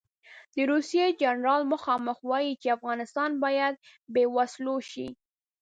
د روسیې جنرال مخامخ وایي چې افغانستان باید بې وسلو شي.